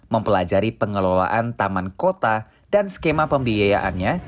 mempelajari pengelolaan taman kota dan skema pembiayaannya